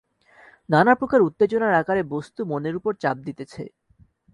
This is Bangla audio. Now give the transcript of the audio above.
নানাপ্রকার উত্তেজনার আকারে বস্তু মনের উপর চাপ দিতেছে।